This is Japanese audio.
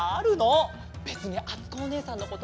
べつにあつこおねえさんのこと